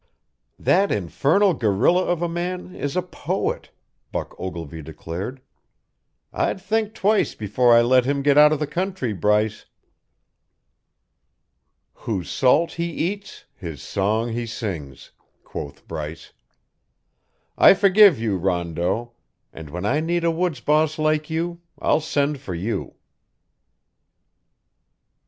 "That infernal gorilla of a man is a poet," Buck Ogilvy declared. "I'd think twice before I let him get out of the country, Bryce." "'Whose salt he eats, his song he sings,'" quoth Bryce. "I forgive you, Rondeau, and when I need a woods boss like you, I'll send for you."